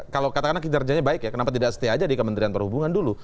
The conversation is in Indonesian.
kalau katakanlah kinerjanya baik ya kenapa tidak stay aja di kementerian perhubungan dulu